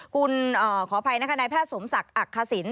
คุณขออภัยนะคะนายแพทย์สมศักดิ์อักษิณ